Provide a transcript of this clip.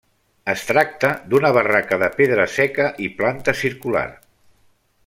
Es tracta d'una barraca de pedra seca i planta circular.